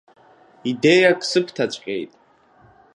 Идеиак сыбҭаҵәҟьеит.